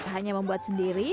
hanya membuat sendiri